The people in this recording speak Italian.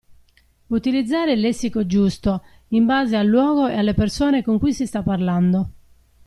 Utilizzare il lessico giusto, in base al luogo e alle persone con cui si sta parlando.